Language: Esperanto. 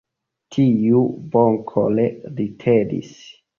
Tiu bonkore ridetis.